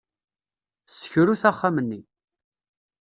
Ssekrut axxam-nni.